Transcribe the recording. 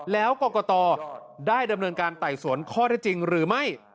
แล้วกรกตได้ดำเนินการไต่สวนข้อได้จริงหรือไม่